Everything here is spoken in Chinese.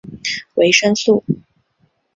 维生素。